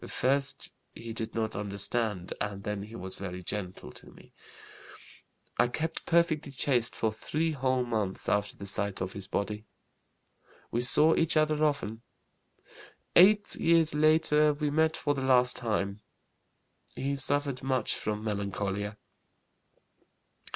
First he did not understand, and then he was very gentle to me. I kept perfectly chaste for three whole months after the sight of his body. We saw each other often. Eight years later we met for the last time. He suffered much from melancholia.